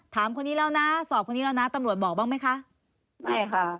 ถามคนนี้แล้วนะสอบคนนี้แล้วนะตำรวจบอกบ้างไหมคะไม่ค่ะ